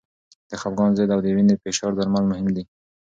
د خپګان ضد او د وینې فشار درمل مهم دي.